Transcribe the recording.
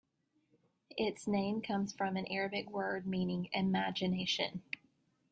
Its name comes from an Arabic word meaning "imagination".